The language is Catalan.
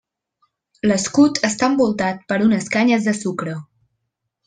L'escut està envoltat per unes canyes de sucre.